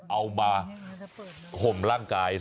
เอามาห่มร่างกาย